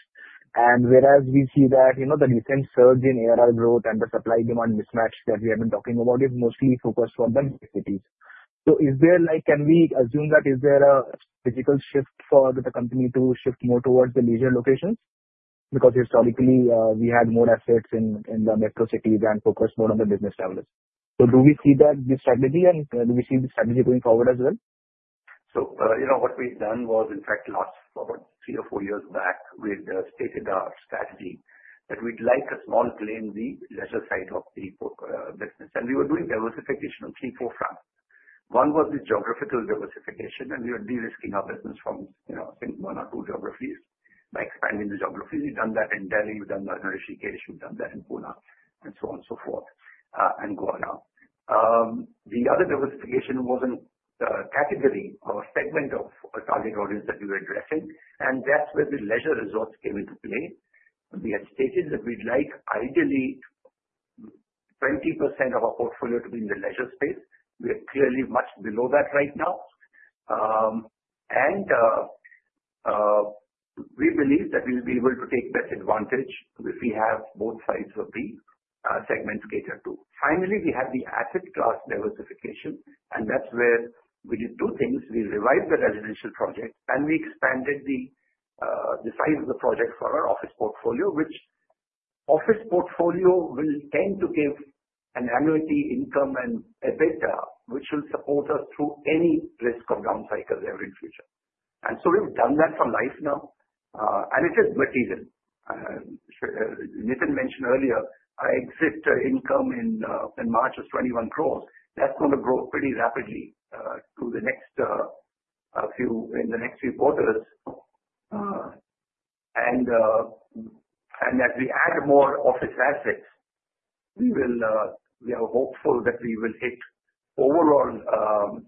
Whereas we see that the recent surge in ARR growth and the supply-demand mismatch that we have been talking about is mostly focused on the big cities. Can we assume that is there a physical shift for the company to shift more towards the leisure locations? Because historically, we had more assets in the metro cities and focused more on the business travelers. Do we see that strategy and do we see the strategy going forward as well? What we've done was, in fact, last about three or four years back, we stated our strategy that we'd like a small play in the leisure side of the business. We were doing diversification on three, four fronts. One was this geographical diversification, and we were de-risking our business from one or two geographies by expanding the geographies. We've done that in Delhi. We've done that in Rishikesh. We've done that in Pune. And so on and so forth. And Goa now. The other diversification was a category or segment of target audience that we were addressing. That's where the leisure resorts came into play. We had stated that we'd like ideally 20% of our portfolio to be in the leisure space. We are clearly much below that right now. We believe that we'll be able to take better advantage if we have both sides of the segments catered to. Finally, we have the asset class diversification. That is where we did two things. We revived the residential project, and we expanded the size of the project for our office portfolio, which office portfolio will tend to give an annuity income and EBITDA, which will support us through any risk of down cycles ever in future. We have done that for life now. It is material. Nitin mentioned earlier, our exit income in March was 21 crore. That is going to grow pretty rapidly in the next few quarters. As we add more office assets, we are hopeful that we will hit overall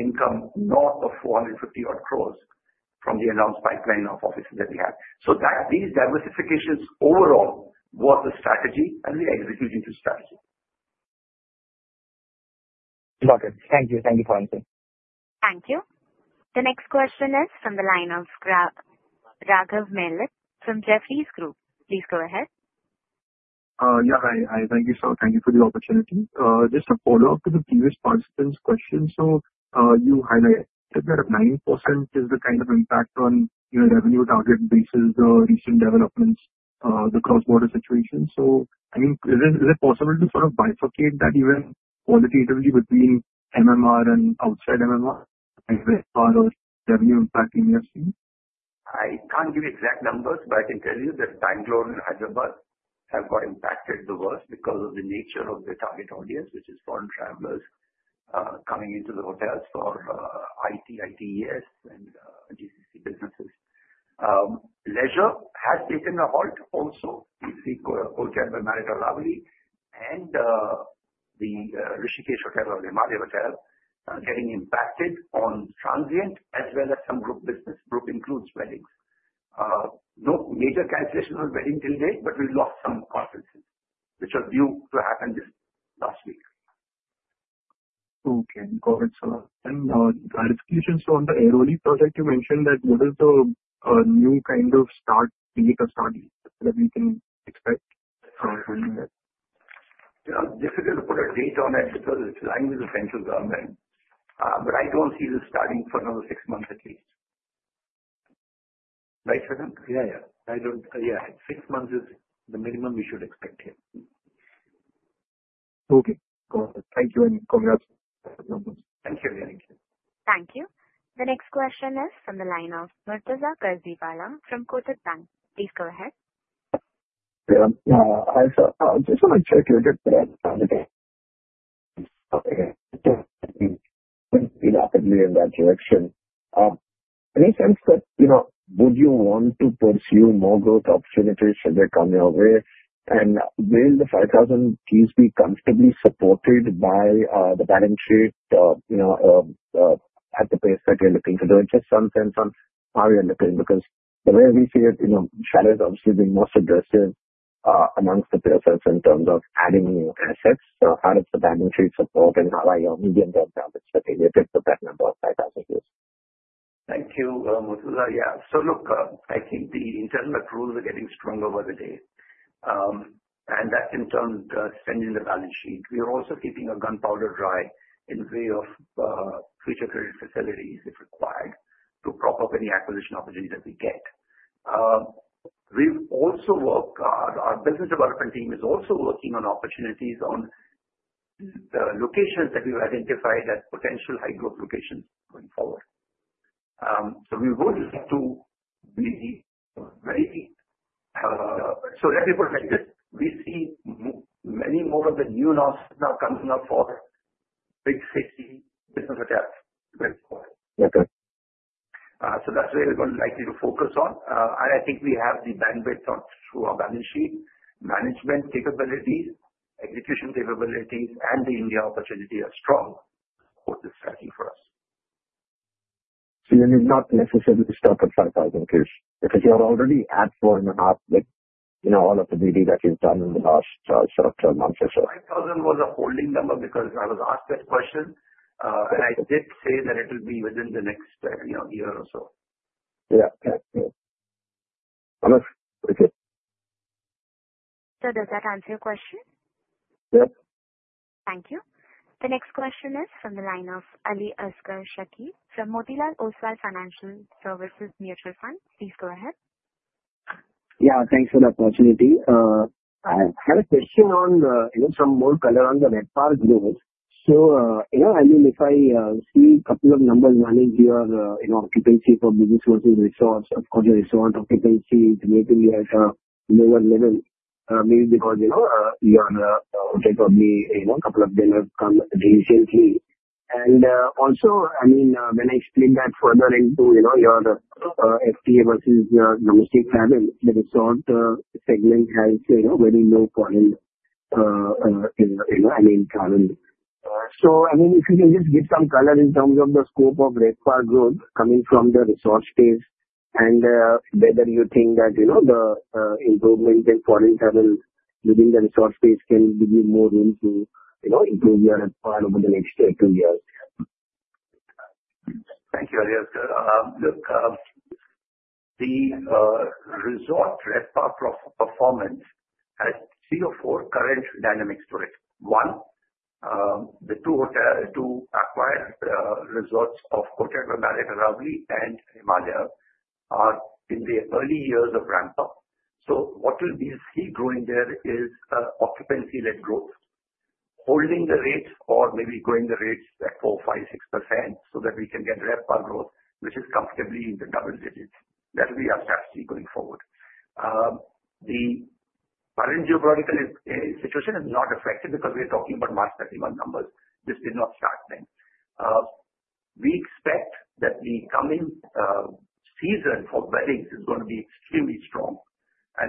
income north of 450-odd crore from the announced pipeline of offices that we have. These diversifications overall were the strategy, and we are executing the strategy. Okay. Thank you. Thank you for answering. Thank you. The next question is from the line of Raghav Malik from Jefferies Group. Please go ahead. Yeah, hi. Thank you, sir. Thank you for the opportunity. Just a follow-up to the previous participant's question. You highlighted that 9% is the kind of impact on revenue target basis, the recent developments, the cross-border situation. I mean, is it possible to sort of bifurcate that even qualitatively between MMR and outside MMR? Is there any revenue impact we have seen? I can't give you exact numbers, but I can tell you that Bengaluru and Hyderabad have got impacted the worst because of the nature of the target audience, which is foreign travelers coming into the hotels for IT, ITES, and GCC businesses. Leisure has taken a halt also. You see Hotel by Marriott in Powai and the Rishikesh Hotel or the Himalaya Hotel getting impacted on transient as well as some group business. Group includes weddings. No major cancellation on wedding till date, but we lost some conferences, which was due to happen just last week. Okay. Got it, sir. The execution on the Airoli project, you mentioned that what is the new kind of start date of start that we can expect from doing that? Yeah. Difficult to put a date on it because it's lying with the central government. I don't see the starting for another six months at least. Right, Shwetank? Yeah, yeah. Six months is the minimum we should expect here. Okay. Got it. Thank you. And congrats. Thank you. Thank you. Thank you. The next question is from the line of [Mrza Gurdeepalam] from Kotak Bank. Please go ahead. Yeah. I just want to check with you a bit about the. Okay. We're not in that direction. Any sense that would you want to pursue more growth opportunities as they're coming our way? Will the 5,000 keys be comfortably supported by the balance sheet at the pace that you're looking to do? Just some sense on how you're looking because the way we see it, Chalet is obviously being most aggressive amongst the players in terms of adding new assets. How does the balance sheet support and how are your medium-term targets that are related to that number of 5,000 keys? Thank you, [Mrza]. Yeah. Look, I think the internal accruals are getting stronger by the day. That in turn is extending the balance sheet. We are also keeping our gunpowder dry in way of future credit facilities if required to prop up any acquisition opportunity that we get. We've also worked on our business development team is also working on opportunities on the locations that we've identified as potential high-growth locations going forward. We would like to be very, let me put it like this. We see many more of the new now coming up for big city business attack going forward. That's where we're likely to focus on. I think we have the bandwidth through our balance sheet management capabilities, execution capabilities, and the India opportunity are strong. Support this strategy for us. You need not necessarily start at 5,000 keys if you are already at 4,500 with all of the BD that you've done in the last sort of 12 months or so? 5,000 was a holding number because I was asked that question. I did say that it will be within the next year or so. Yeah. Okay. Does that answer your question? Yep. Thank you. The next question is from the line of Aliasgar Shakir from Motilal Oswal Financial Services Mutual Fund. Please go ahead. Yeah. Thanks for the opportunity. I had a question on some more color on the network growth. I mean, if I see a couple of numbers running here, occupancy for business versus resorts, of course, your resort occupancy is maybe at a lower level, maybe because your hotel probably a couple of days have come diligently. I mean, when I explain that further into your FTA versus domestic travel, the resort segment has very low foreign and income. I mean, if you can just give some color in terms of the scope of network growth coming from the resort space and whether you think that the improvement in foreign travel within the resort space can give you more room to improve your network over the next two years. Thank you, Aliasgar. Look, the resort network performance has three or four current dynamics to it. One, the two hotels to acquire, the resorts of Kotak and Marriott Rishikesh Himalaya, are in the early years of ramp-up. So what we see growing there is occupancy-led growth, holding the rates or maybe growing the rates at 4%, 5%, 6% so that we can get ramp-up growth, which is comfortably in the double digits. That will be our strategy going forward. The current geographical situation is not affected because we are talking about March 31 numbers. This did not start then. We expect that the coming season for weddings is going to be extremely strong.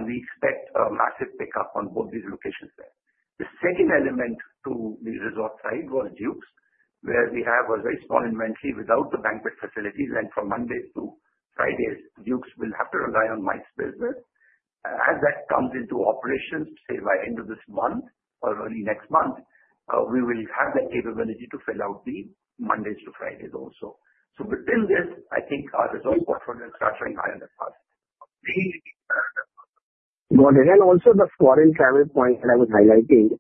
We expect a massive pickup on both these locations there. The second element to the resort side was Duke's, where we have a very small inventory without the banquet facilities. From Mondays to Fridays, Duke's will have to rely on MICE business. As that comes into operations, say by end of this month or early next month, we will have that capability to fill out the Mondays to Fridays also. Within this, I think our resort portfolio is starting to rise and advance. Got it. Also, the foreign travel point that I was highlighting,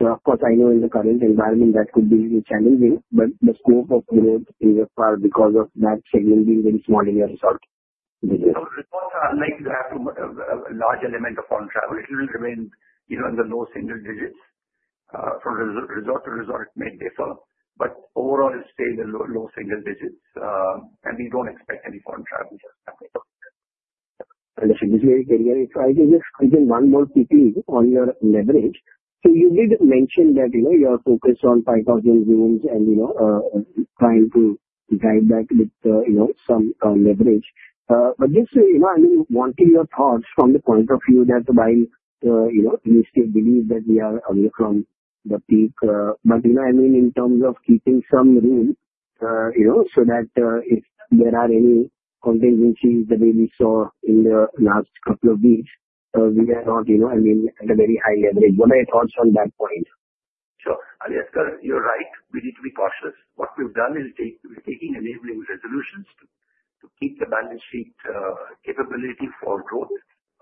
of course, I know in the current environment that could be challenging, but the scope of growth is far because of that segment being very small in your resort business. Resorts are unlikely to have a large element of foreign travel. It will remain in the low single digits. From resort to resort, it may differ. Overall, it stays in the low single digits. We do not expect any foreign travelers coming. If I can just add in one more detail on your leverage. You did mention that you are focused on 5,000 rooms and trying to drive that with some leverage. Just, I mean, wanting your thoughts from the point of view that while we still believe that we are away from the peak, in terms of keeping some room so that if there are any contingencies that we saw in the last couple of weeks, we are not, I mean, at a very high leverage. What are your thoughts on that point? Sure. Aliasgar, you're right. We need to be cautious. What we've done is taking enabling resolutions to keep the balance sheet capability for growth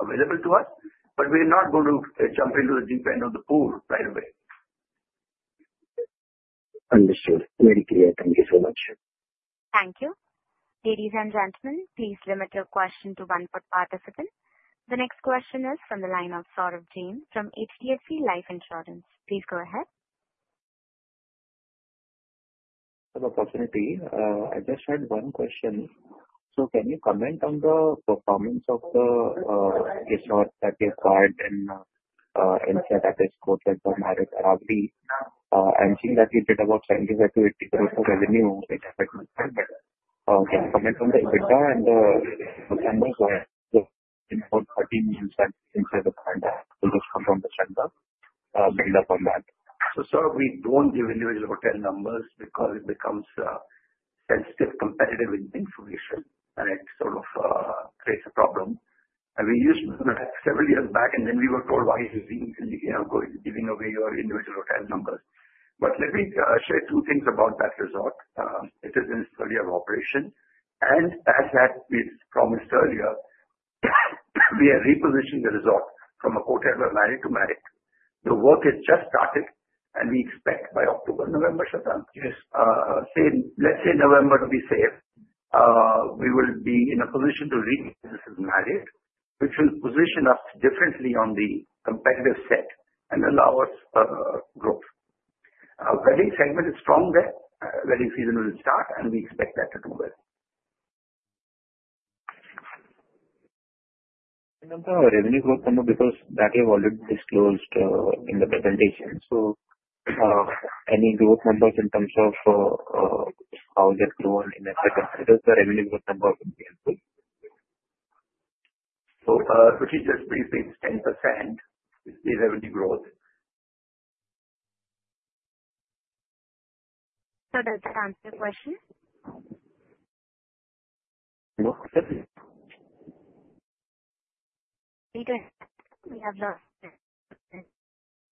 available to us. We are not going to jump into the deep end of the pool right away. Understood. Very clear. Thank you so much. Thank you. Ladies and gentlemen, please limit your question to one participant. The next question is from the line of Saurabh Jain from HDFC Life Insurance. Please go ahead. Good opportunity. I just had one question. Can you comment on the performance of the resort that you acquired in Rishikesh, which is Westin Resort and Spa Himalaya? I'm seeing that you did about 70%-80% of revenue in effect. Can you comment on the EBITDA and the numbers of about INR 13 million in Rishikesh? I'll just confirm the Rishikesh build-up on that. Saurabh, we don't give individual hotel numbers because it becomes sensitive competitive information, and it sort of creates a problem. We used to do that several years back, and then we were told, "Why are you giving away your individual hotel numbers?" Let me share two things about that resort. It is in its third year of operation. As we promised earlier, we are repositioning the resort from a Kotak to Marriott to Marriott. The work has just started, and we expect by October, November, Shwetank? Yes. Let's say November to be safe. We will be in a position to reposition Marriott, which will position us differently on the competitive set and allow us growth. Our wedding segment is strong there. Wedding season will start, and we expect that to do well. On the revenue growth number, because that you've already disclosed in the presentation. Any growth numbers in terms of how you're growing in effect, consider the revenue growth number would be helpful. It is just basically 10% is the revenue growth. Does that answer your question? No. We have lost.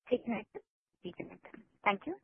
Take your time. Take your time. Thank you.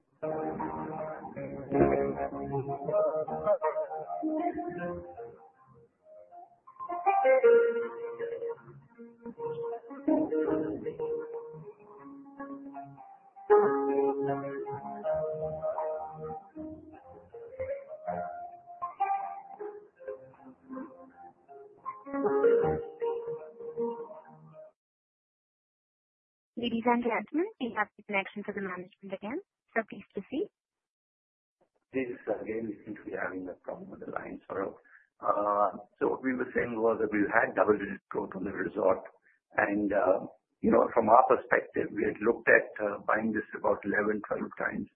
Ladies and gentlemen, we have the connection for the management again. Please proceed. This again seems to be having a problem with the line, Saurabh. What we were saying was that we had double-digit growth on the resort. From our perspective, we had looked at buying this at about 11-12 times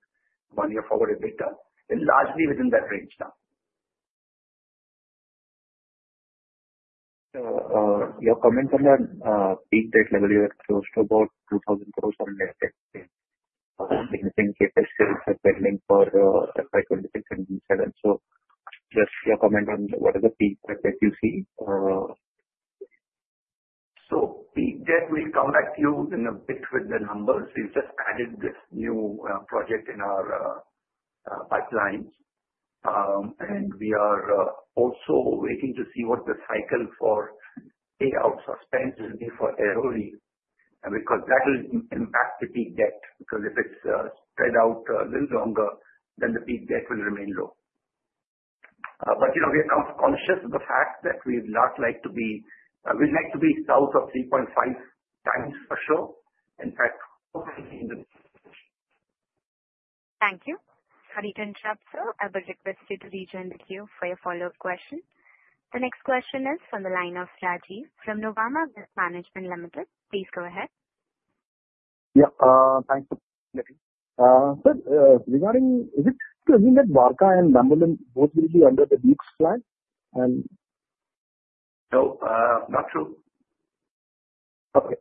one-year forward EBITDA. It is largely within that range now. Your comment on that peak rate level, you had close to about 2,000 growth on the effect. Significant capacity is pending for FY 2026 and 2027. Just your comment on what is the peak effect you see? Peak debt, we'll come back to you in a bit with the numbers. We've just added this new project in our pipelines. We are also waiting to see what the cycle for payout suspense will be for Airoli because that will impact the peak debt. If it's spread out a little longer, then the peak debt will remain low. We are now conscious of the fact that we'd not like to be, we'd like to be south of 3.5x for sure. In fact. Thank you. [Harithan Chopthro], I will request you to regenerate you for your follow-up question. The next question is from the line of Shaji from Nuvama Management Ltd. Please go ahead. Yeah. Thanks for letting me. So regarding, is it to assume that Varka and Bambolim both will be under the Duke's flag? No, not true. Okay.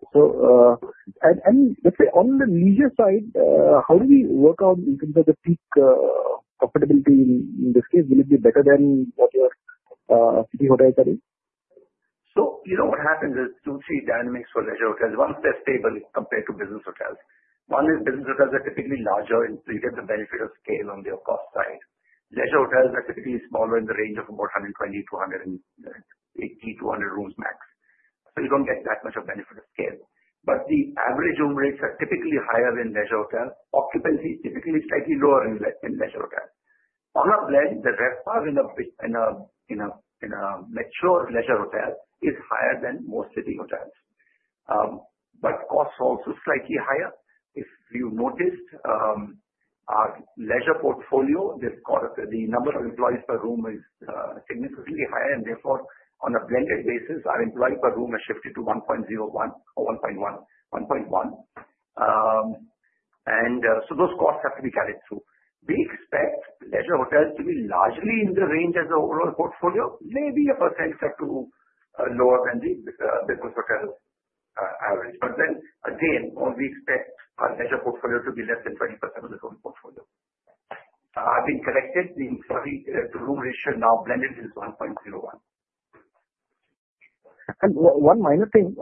Let's say on the leisure side, how do we work out in terms of the peak profitability in this case? Will it be better than what your city hotels are in? What happens is two-three dynamics for leisure hotels. One is they're stable compared to business hotels. One is business hotels are typically larger, and you get the benefit of scale on their cost side. Leisure hotels are typically smaller in the range of about 120-280, 200 rooms max. You do not get that much of benefit of scale. The average room rates are typically higher in leisure hotels. Occupancy is typically slightly lower in leisure hotels. On a blend, the RevPAR in a mature leisure hotel is higher than most city hotels. Costs are also slightly higher. If you noticed, our leisure portfolio, the number of employees per room is significantly higher. Therefore, on a blended basis, our employee per room has shifted to 1.01 or 1.1. Those costs have to be carried through. We expect leisure hotels to be largely in the range as an overall portfolio, maybe a percentage or two lower than the business hotel average. Again, we expect our leisure portfolio to be less than 20% of the total portfolio. I've been corrected. The room ratio now blended is 1.01. One minor thing.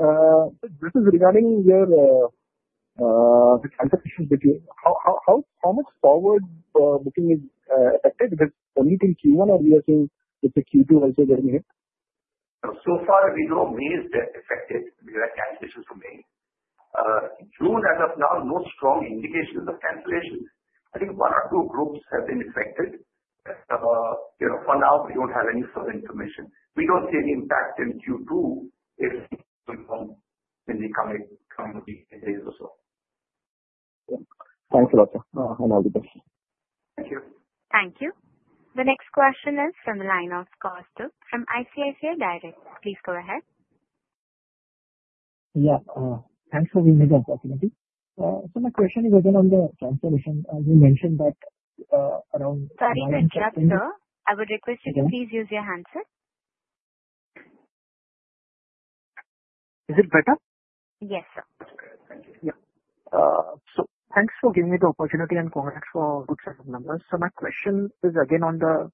This is regarding your cancellations between how much forward booking is affected? Because only Q1, or we are seeing it's a Q2 also getting hit? So far, we know May is affected because of cancellations from May. June as of now, no strong indications of cancellations. I think one or two groups have been affected. For now, we don't have any further information. We don't see any impact in Q2 if we come in the coming week or so. Thanks a lot, sir. All the best. Thank you. Thank you. The next question is from the line of Kaustubh from ICICI Direct. Please go ahead. Yeah. Thanks for bringing this opportunity. My question is again on the cancellation. You mentioned that around. Sorry, Mr. [Chopthur]. I would request you to please use your hand, sir. Is it better? Yes, sir. Yeah. Thanks for giving me the opportunity and congrats for a good set of numbers. My question is again on the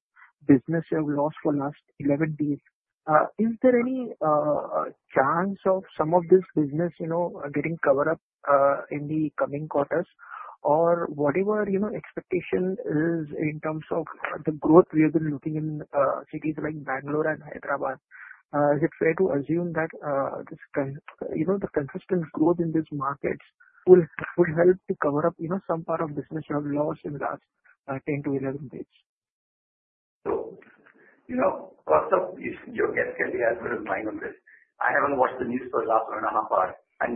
business you have lost for the last 11 days. Is there any chance of some of this business getting covered up in the coming quarters? Whatever expectation is in terms of the growth we have been looking in cities like Bengaluru and Hyderabad, is it fair to assume that the consistent growth in these markets would help to cover up some part of business you have lost in the last 10-11 days? Kaustubh, you're getting as good a line on this. I haven't watched the news for the last one and a half hour.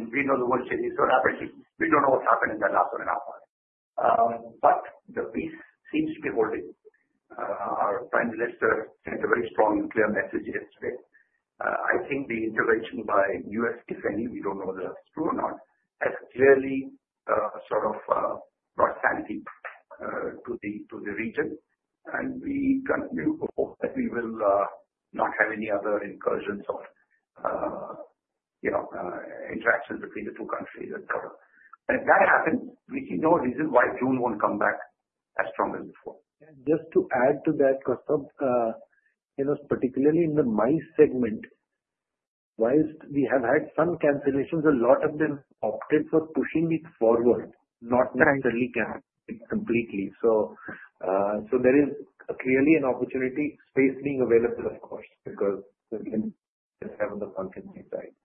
We know the world changes. We don't know what's happened in that last one and a half hour. The piece seems to be holding. Our Prime Minister sent a very strong and clear message yesterday. I think the intervention by U.S., if any, we don't know whether that's true or not, has clearly sort of brought sanity to the region. We continue to hope that we will not have any other incursions or interactions between the two countries and so on. If that happens, we see no reason why June won't come back as strong as before. Just to add to that, Kaustubh, particularly in the MICE segment, while we have had some cancellations, a lot of them opted for pushing it forward, not necessarily cancelling it completely. There is clearly an opportunity space being available, of course, because just having the content inside.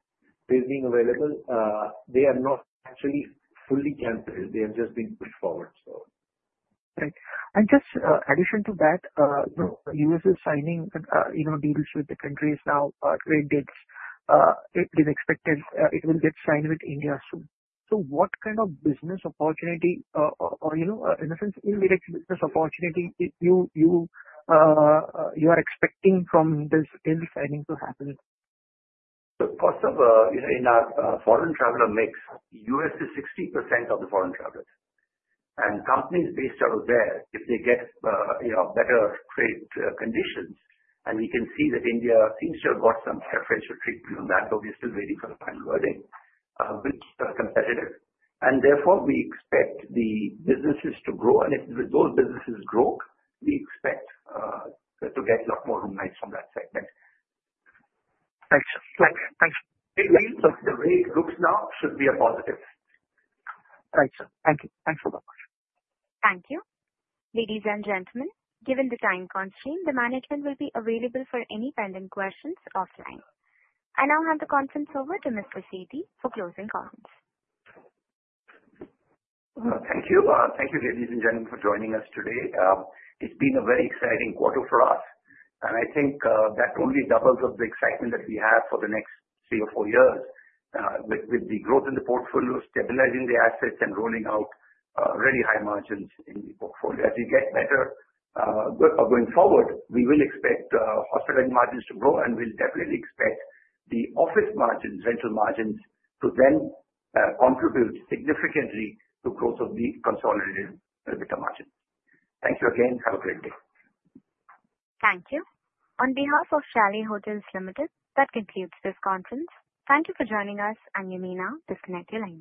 Space being available, they are not actually fully cancelled. They have just been pushed forward, right. Just in addition to that, US is signing deals with the countries now, trade deals. It is expected it will get signed with India soon. What kind of business opportunity or, in a sense, indirect business opportunity are you expecting from this deal signing to happen? Kaustubh, in our foreign traveler mix, U.S. is 60% of the foreign travelers. Companies based out of there, if they get better trade conditions, and we can see that India seems to have got some preferential treatment on that, though we're still waiting for the final wording, will be competitive. Therefore, we expect the businesses to grow. If those businesses grow, we expect to get a lot more room nights from that segment. Thanks. Thanks. The rate looks now should be a positive. Thanks, sir. Thank you. Thanks so much. Thank you. Ladies and gentlemen, given the time constraint, the management will be available for any pending questions offline. I now hand the conference over to Mr. Sethi for closing comments. Thank you. Thank you, ladies and gentlemen, for joining us today. It has been a very exciting quarter for us. I think that only doubles the excitement that we have for the next three or four years with the growth in the portfolio, stabilizing the assets, and rolling out really high margins in the portfolio. As we get better going forward, we will expect hospitality margins to grow. We will definitely expect the office margins, rental margins, to then contribute significantly to growth of the consolidated EBITDA margins. Thank you again. Have a great day. Thank you. On behalf of Chalet Hotels Ltd, that concludes this conference. Thank you for joining us, and you may now disconnect your line.